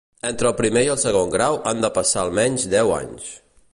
Entre el primer i el segon grau han de passar almenys deu anys.